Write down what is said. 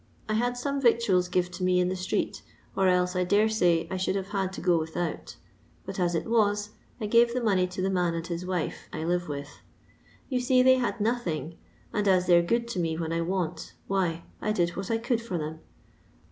I had some yictuals give to me in the street, or else I dare8;iy I should have had to go without ; but, as it was, I gave the money to the man and his wife I live with. You see they had nothing, and as thoy 're good to me when I want, why, I did wliat I could for them.